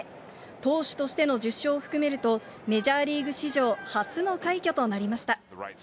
投手としての１０勝を含めると、メジャーリーグ史上初の快挙となりました。